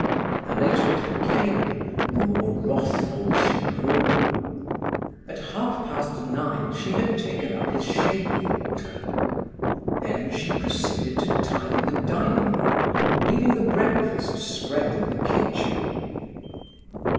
The later it became, the more wrathful she grew. At half past nine she had taken up his shaving water. Then she proceeded to tidy the dining room, leaving the breakfast spread in the kitchen.